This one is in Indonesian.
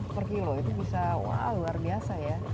satu ratus lima puluh per kilo itu bisa wah luar biasa ya